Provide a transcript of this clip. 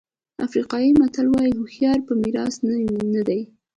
افریقایي متل وایي هوښیاري په میراث نه ده.